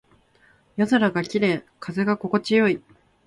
夜空が綺麗。風が心地よい。